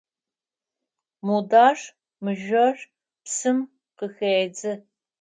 Мудар мыжъор псым къыхедзы.